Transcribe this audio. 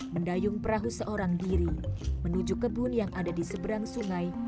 mendayung perahu seorang diri menuju kebun yang ada di seberang sungai